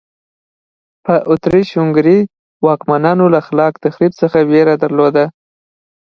په اتریش هنګري واکمنانو له خلاق تخریب څخه وېره درلوده.